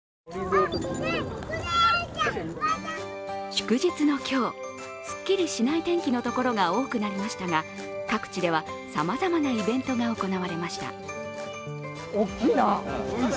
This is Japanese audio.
祝日の今日、すっきりしない天気のところが多くなりましたが各地ではさまざまなイベントが行われました。